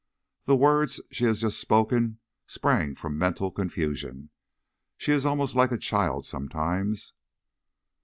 The words she has just spoken sprang from mental confusion. She is almost like a child sometimes."